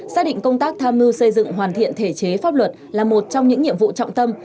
xác định công tác tham mưu xây dựng hoàn thiện thể chế pháp luật là một trong những nhiệm vụ trọng tâm